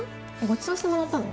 ごちそうしてもらったの？